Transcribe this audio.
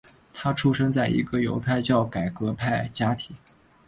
他出生在一个犹太教改革派家庭。